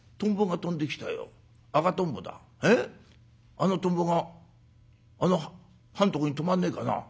あのトンボがあの刃んとこに止まんねえかな。